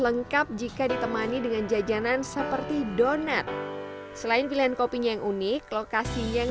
lengkap jika ditemani dengan jajanan seperti donat selain pilihan kopinya yang unik lokasi yang